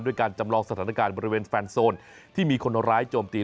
การจำลองสถานการณ์บริเวณแฟนโซนที่มีคนร้ายโจมตี